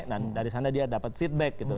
nah dari sana dia dapat feedback gitu